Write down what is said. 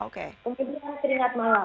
kemudian keringat malam